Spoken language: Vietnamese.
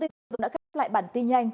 thông tin đã gặp lại bản tin nhanh